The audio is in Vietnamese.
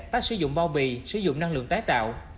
tác sử dụng bao bì sử dụng năng lượng tái tạo